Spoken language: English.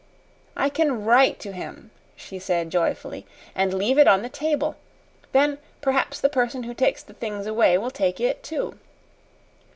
"I can write to him," she said joyfully, "and leave it on the table. Then perhaps the person who takes the things away will take it, too.